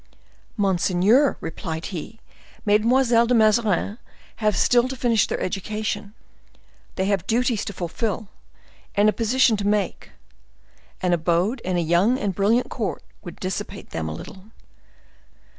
"Monseigneur," replied he, "Mesdemoiselles de Mazarin have still to finish their education: they have duties to fulfill, and a position to make. An abode in a young and brilliant court would dissipate them a little."